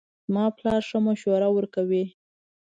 زما پلار ښه مشوره ورکوي